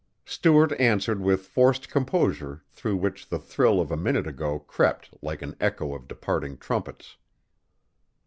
Stuart answered with forced composure through which the thrill of a minute ago crept like an echo of departing trumpets.